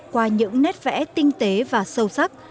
qua những nét vẽ tinh tế và sâu sắc